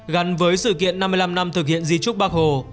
gắn với sự kiện năm mươi năm năm thực hiện di trúc bác hồ